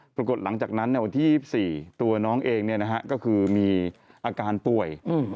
ปรากฏหลังจากนั้นวันที่๒๔ตัวน้องเองก็คือมีอาการป่วย